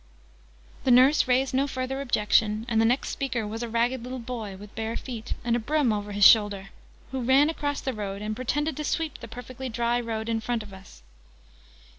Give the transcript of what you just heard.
The nurse raised no further objection: and the next speaker was a ragged little boy, with bare feet, and a broom over his shoulder, who ran across the road, and pretended to sweep the perfectly dry road in front of us.